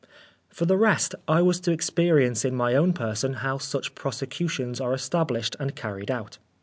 For the rest, I was to experience in my own person how such prosecutions are established and carried out.